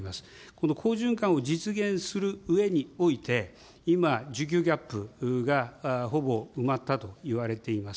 この好循環を実現するうえにおいて、今、需給ギャップがほぼ埋まったといわれています。